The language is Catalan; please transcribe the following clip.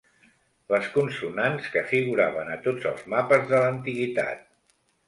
Les consonants que figuraven a tots els mapes de l'antiguitat.